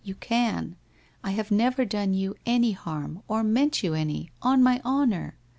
You can. I have never done you any harm or meant you any, on my honour.